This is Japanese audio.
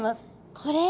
これ。